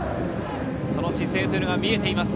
その姿勢というのが見えています。